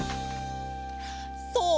そう！